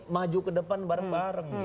maju ke depan bareng bareng